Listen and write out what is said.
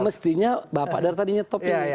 mestinya bapak dar tadinya top ya